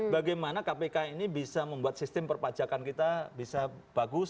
bagaimana kpk ini bisa membuat sistem perpajakan kita bisa bagus